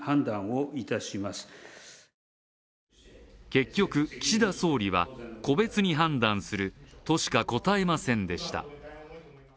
結局、岸田総理は個別に判断するとしか答えませんでした。